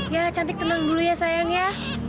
ya cantik tenang dulu ya sayang ya